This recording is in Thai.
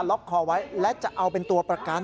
ล็อกคอไว้และจะเอาเป็นตัวประกัน